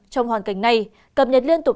trong hoàn cảnh này cập nhật liên tục